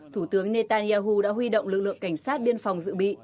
thủ tướng netanyahu đã huy động lực lượng cảnh sát biên phòng dự bị